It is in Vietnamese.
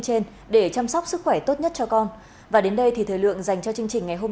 trên để chăm sóc sức khỏe tốt nhất cho con và đến đây thì thời lượng dành cho chương trình ngày hôm